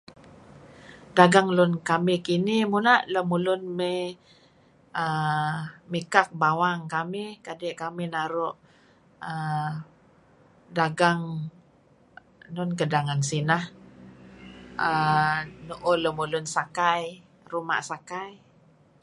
Dagang lun kamih kinih inn tah lemulun may mikak bawang kamih kadi' kamih naru' uhm dagang enun kedeh ngen sineh uhm nuuh lemulun sakai Ruma' Sakai.